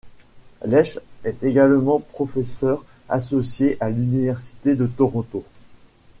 Leicht est également professeure associée à l'Université de Toronto.